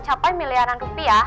tapi gue sendirian